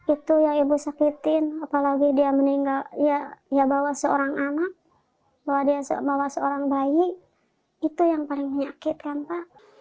itu yang ibu sakitin apalagi dia meninggal ya bawa seorang anak bawa dia bawa seorang bayi itu yang paling menyakitkan pak